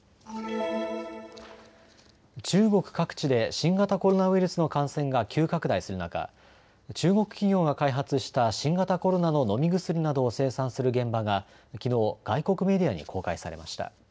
中国各地で新型コロナウイルスの感染が急拡大する中、中国企業が開発した新型コロナの飲み薬などを生産する現場がきのう外国メディアに公開されました。